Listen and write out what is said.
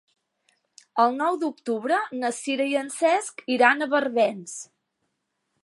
El nou d'octubre na Sira i en Cesc iran a Barbens.